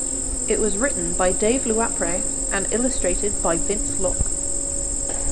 It was written by Dave Louapre and illustrated by Vince Locke.